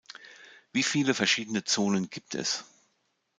Wie viele verschiedene Zonen gibt es?